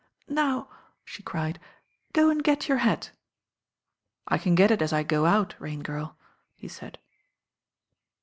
"Now," she cried, "go and get your hat." *'I can get it as I go out, Rain^irl," he said.